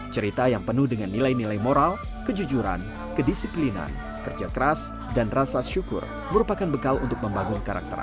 cerita yang penuh dengan nilai nilai moral kejujuran kedisiplinan kerja keras dan rasa syukur merupakan bekal untuk membangun karakter